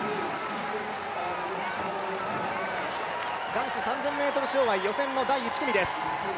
男子３０００ｍ障害予選の第１組です。